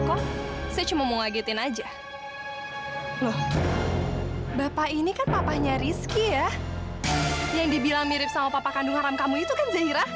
kakak jelumus barangan